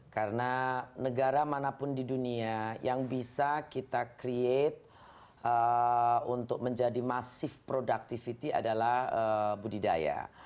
karena negara mana pun di dunia yang bisa kita create untuk menjadi masif productivity adalah budidaya